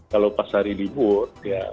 kalau pak syaril libur